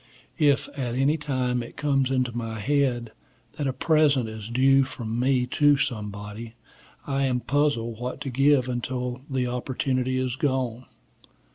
If, at any time, it comes into my head that a present is due from me to somebody, I am puzzled what to give until the opportunity is gone.